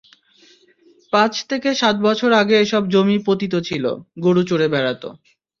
পাঁচ থেকে সাত বছর আগে এসব জমি পতিত ছিল, গরু চরে বেড়াত।